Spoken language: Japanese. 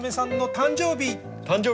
誕生日！？